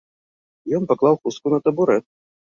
І ён паклаў хустку на табурэт.